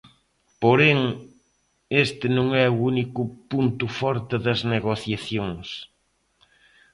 Porén, este non é o único punto forte das negociacións.